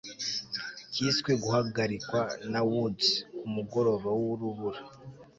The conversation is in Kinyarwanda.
cyiswe guhagarikwa na woods ku mugoroba w'urubura